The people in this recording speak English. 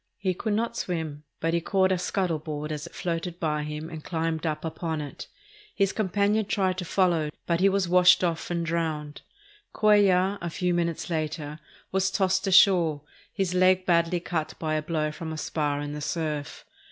He could not swim, but he caught a scuttle board as it floated by him and climbed up upon it. His companion tried to follow, but he was washed off and drowned. Cuellar, a few minutes later, was tossed ashore, his leg badly cut by a blow from a spar in the surf.